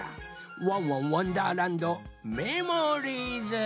「ワンワンわんだーらんどメモリーズ」。